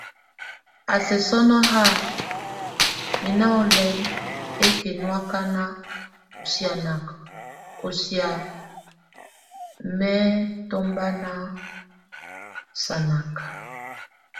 A sɛksɔnɔha, mi aŋo lɛn ɛ́kɛ nú akam osianak, ɔ síak mɛ́ tobanda sanak.